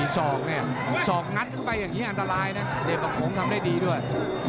ส่องงัดขึ้นไปอย่างนี้อันตรายนะเดทฟังโค้งทำได้ดีด้วย